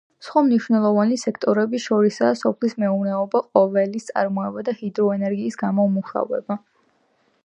სხვა მნიშვნელოვანი სექტორებს შორისაა სოფლის მეურნეობა, ყველის წარმოება და ჰიდროენერგიის გამომუშავება.